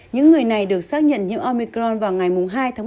những người này được xác nhận nhiễm omicron vào ngày hai tháng một mươi